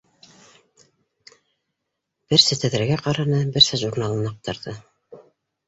Берсә тәҙрәгә ҡараны, берсә журналын аҡтарҙы.